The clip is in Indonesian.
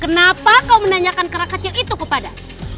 kenapa kau menanyakan kera kecil itu kepada